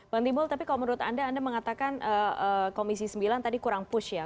bang timbul tapi kalau menurut anda anda mengatakan komisi sembilan tadi kurang push ya